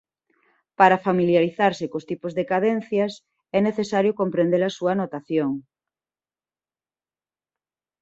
Para familiarizarse cos tipos de cadencias é necesario comprender a súa notación.